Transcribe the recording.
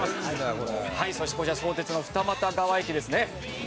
「そしてこちら相鉄の二俣川駅ですね」